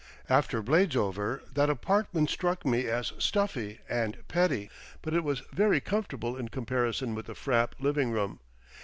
After Bladesover that apartment struck me as stuffy and petty, but it was very comfortable in comparison with the Frapp living room.